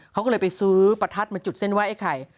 เขาก็เลยไปซื้อประทัดมาจุดเส้นไหว้ไอ้ไข่